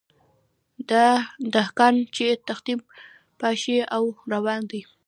دا دهقان چي تخم پاشي او روان دی